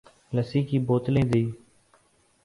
لسی کی بوتلیں دی ۔